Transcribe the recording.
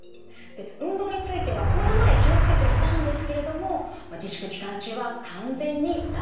運動についてはコロナ前気を付けていたんですけれども自粛期間中は完全に在宅勤務。